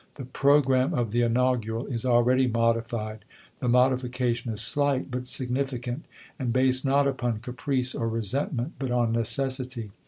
The programme of the inaugural is already modified; the modification is slight but significant, and based not upon caprice or resent 74 ABEAHAM LINCOLN Chap. IV. ment, but on necessity.